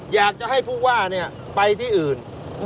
อยากจะให้ผู้ว่าไปที่อื่น